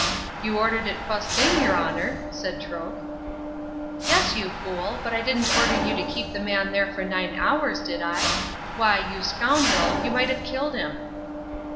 "You ordered it fust thing, yer honour," said Troke. "Yes, you fool, but I didn't order you to keep the man there for nine hours, did I? Why, you scoundrel, you might have killed him!"